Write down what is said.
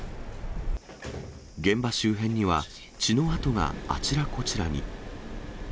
現場周辺には、血の跡があちらこちらに。